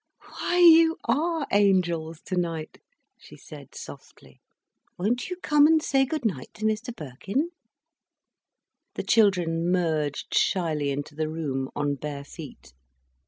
"Why you are angels tonight," she said softly. "Won't you come and say good night to Mr Birkin?" The children merged shyly into the room, on bare feet.